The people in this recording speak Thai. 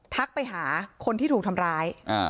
ทักไปหาคนที่ถูกทำร้าย